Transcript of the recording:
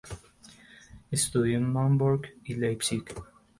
Estudió en Marburg y Leipzig.